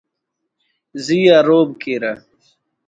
زی آ رعب کیرہ